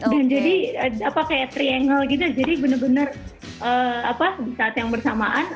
dan jadi kayak triangle gitu jadi benar benar saat yang bersamaan